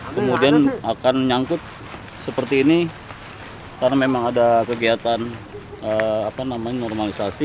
kemudian akan nyangkut seperti ini karena memang ada kegiatan normalisasi